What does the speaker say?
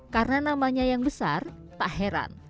karena namanya yang besar tak heran